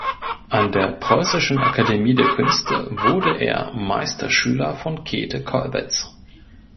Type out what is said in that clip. An der Preußischen Akademie der Künste wurde er Meisterschüler von Käthe Kollwitz.